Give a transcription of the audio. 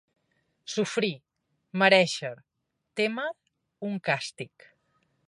Sofrir, merèixer, témer, un càstig.